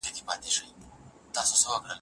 د ډنډ اوښکو شاته ښکارې لکه ستوری